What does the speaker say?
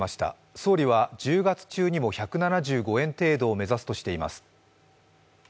総理は１０月中にも１７５円程度を目指すとしています。